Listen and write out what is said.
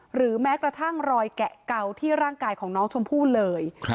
หรือแม้กระทั่งรอยแกะเก่าที่ร่างกายของน้องชมพู่เลย